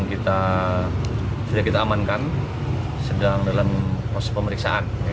aku sedang kita amankan sedang dalam proses pemeriksaan